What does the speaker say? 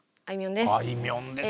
あいみょんです！